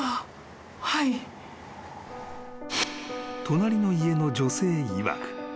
［隣の家の女性いわく］